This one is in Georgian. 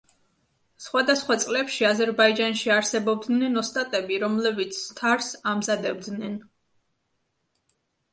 სხვადასხვა წლებში აზერბაიჯანში არსებობდნენ ოსტატები, რომლებიც თარს ამზადებდნენ.